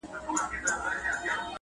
په ژوندینه راته سپي ویل باداره.